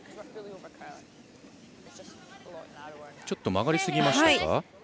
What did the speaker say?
ちょっと曲がりすぎましたか？